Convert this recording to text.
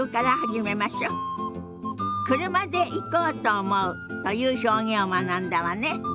「車で行こうと思う」という表現を学んだわね。